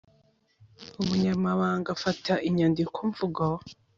umunyamabanga afata inyandiko mvugo